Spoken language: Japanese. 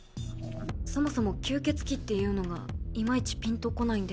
そもそも吸血鬼っていうのがいまいちぴんとこないんですけど。